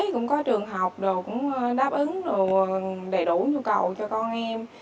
cũng có trường học đồ cũng đáp ứng đầy đủ nhu cầu cho con em